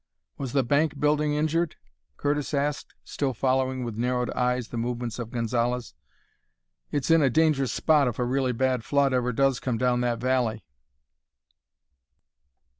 "Was the bank building injured?" Curtis asked, still following with narrowed eyes the movements of Gonzalez. "It's in a dangerous spot if a really bad flood ever does come down that valley."